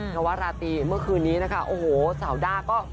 นวราตรีเมื่อคืนนี้นะคะโอ้โหสาวด้าก็